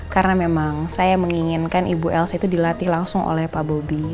karena memang saya menginginkan ibu elsa itu dilatih langsung oleh pak bobi